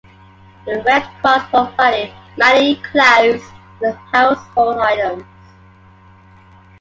The Red Cross provided money, clothes and household items.